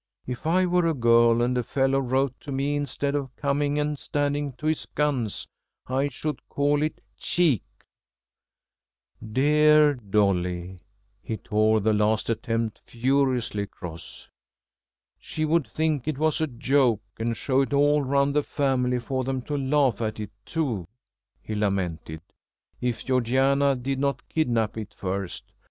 If I were a girl and a fellow wrote to me instead of coming and standing to his guns, I should call it cheek." "Dear Dolly " He tore the last attempt furiously across. "She would think it was a joke and show it all round the family for them to laugh at it too," he lamented; "if Georgiana did not kidnap it first.